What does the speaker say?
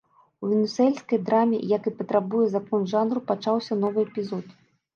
У венесуэльскай драме, як і патрабуе закон жанру, пачаўся новы эпізод.